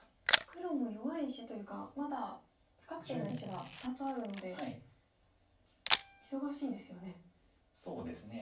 黒も弱い石というかまだ不確定な石が２つあるので忙しいですよね。